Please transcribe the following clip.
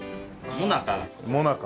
もなか。